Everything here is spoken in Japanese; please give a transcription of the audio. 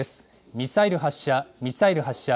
ミサイル発射、ミサイル発射。